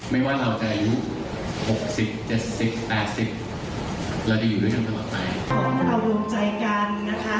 ไม่ว่าเราจะอายุ๖๐๗๐๘๐เราจะอยู่ด้วยเงินสำหรับใคร